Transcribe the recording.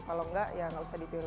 kalau nggak ya nggak usah dipiru